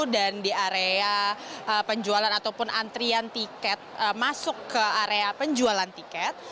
dan di area penjualan ataupun antrian tiket masuk ke area penjualan tiket